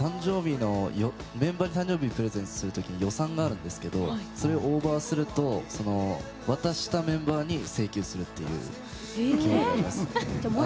メンバーの誕生日にプレゼントする時に予算があるんですけどそれをオーバーすると渡したメンバーに請求するっていう決まりがあります。